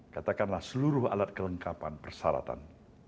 katakanlah seluruh alat kelengkapan persyaratan